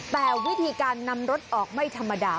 แต่วิธีการนำรถออกไม่ธรรมดา